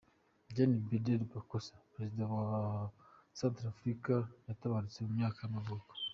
Jean-Bédel Bokassa, perezida wa wa Centre-Africa yaratabarutse, ku myaka y’amavuko.